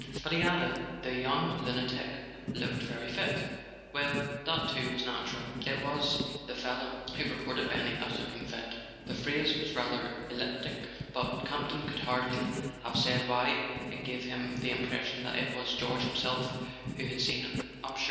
But he added: "The young lunatic looked very fit." Well: that too was natural. It was "the fel¬ low" who reported Benny as looking fit; the phrase was rather elliptic, but Campton could hardly have said why it gave him the impression that it was George himself who had seen Upsher.